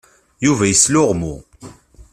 Yuba yesluɣmu.